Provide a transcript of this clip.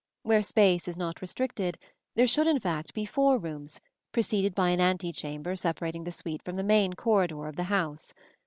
Where space is not restricted there should in fact be four rooms, preceded by an antechamber separating the suite from the main corridor of the house.